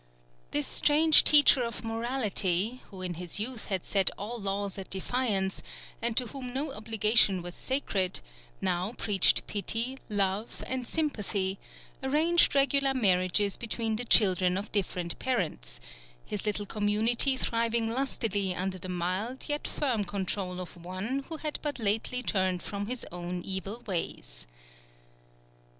This strange teacher of morality, who in his youth had set all laws at defiance, and to whom no obligation was sacred, now preached pity, love, and sympathy, arranged regular marriages between the children of different parents, his little community thriving lustily under the mild yet firm control of one who had but lately turned from his own evil ways.